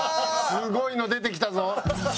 すごいの出てきたぞ。